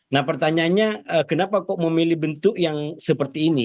nah pertanyaannya kenapa kok memilih bentuk yang seperti ini